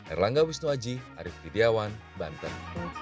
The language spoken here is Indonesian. erlangga wisnuaji arief tidiawan banten